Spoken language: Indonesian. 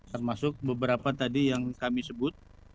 termasuk beberapa tadi yang kami sebut